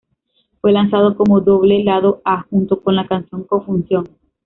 Fue lanzado como doble lado A junto con la canción "Confusión".